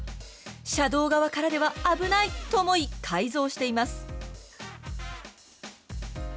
車道側からでは危ないと思い改造しています。